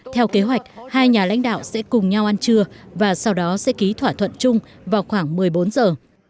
theo kế hoạch hai nhà lãnh đạo sẽ cùng nhau ăn trưa và sau đó sẽ ký thỏa thuận chung vào khoảng một mươi bốn giờ